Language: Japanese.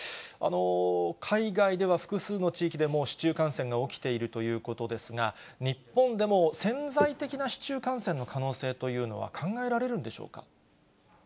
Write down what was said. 海外では複数の地域で、もう市中感染が起きているということですが、日本でも潜在的な市中感染の可能性というのは考えられるんでしょうか。